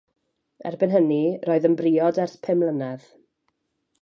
Erbyn hynny roedd yn briod ers pum mlynedd.